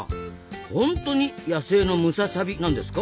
ホントに野生のムササビなんですか？